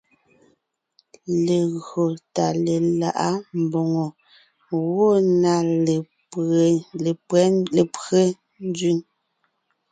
Legÿo tà lelaʼá mbòŋo gwɔ̂ na lépÿɛ́ nzẅìŋ.